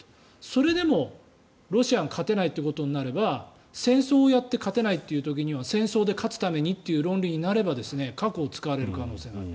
それでも、ロシアが勝てないということになれば戦争をやって勝てないという時には戦争で勝つためにという論理になれば核を使われる可能性もある。